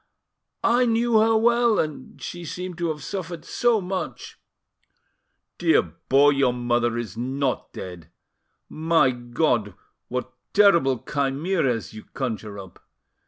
... I knew her well! and she seemed to have suffered so much——" "Dear boy, your mother is not dead .... My God! what terrible chimeras you conjure up!